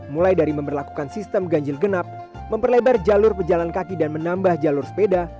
mulai dari memperlakukan sistem ganjil genap memperlebar jalur pejalan kaki dan menambah jalur sepeda